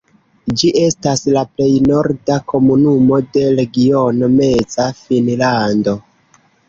Ĝi estas la plej norda komunumo de regiono Meza Finnlando.